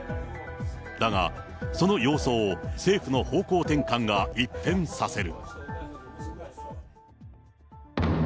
だが、その様相を政府の方向転換が一変させる。